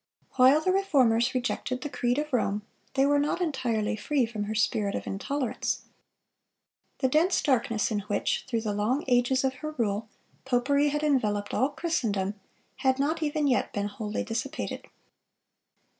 While the Reformers rejected the creed of Rome, they were not entirely free from her spirit of intolerance. The dense darkness in which, through the long ages of her rule, popery had enveloped all Christendom, had not even yet been wholly dissipated.